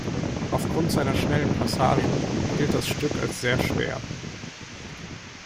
Aufgrund seiner schnellen Passagen gilt das Stück als sehr schwer.